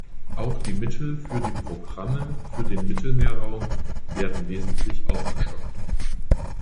Auch die Mittel für die Programme für den Mittelmeerraum werden wesentlich aufgestockt.